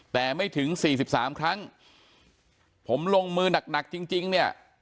แต่ไม่ถึงสี่สิบสามครั้งผมลงมือนักหนักจริงจริงเนี้ย